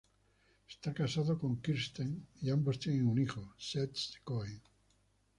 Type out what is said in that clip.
Está casado con Kirsten y ambos tienen un hijo, Seth Cohen.